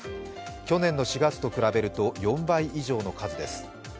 去年の４月と比べると４倍以上の数です。